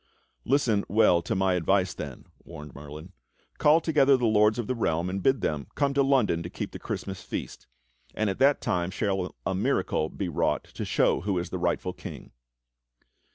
"Listen well to my advice, then," warned Merlin. "Call together the lords of the realm, and bid them come to London to keep the Christmas feast — at that time shall a miracle be wrought to show who is the rightful king."